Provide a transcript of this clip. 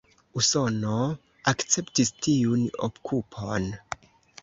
Usono akceptis tiun okupon.